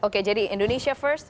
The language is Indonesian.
oke jadi indonesia first